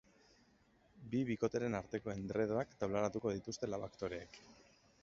Bi bikoteren arteko endredoak taularatuko dituzte lau aktoreek.